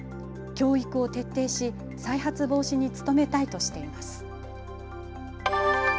教育を徹底し再発防止に努めたいとしています。